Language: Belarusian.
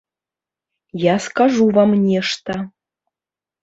Я скажу вам нешта.